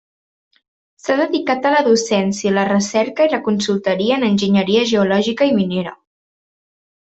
S’ha dedicat a la docència, la recerca i la consultoria en enginyeria geològica i minera.